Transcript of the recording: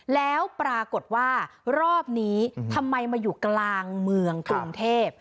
แล้วปรากฏว่ารอบนี้ทำไมมาอยู่กลางเมืองกรุงเทพ